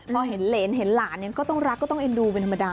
พอเห็นเหรนเห็นหลานก็ต้องรักก็ต้องเอ็นดูเป็นธรรมดา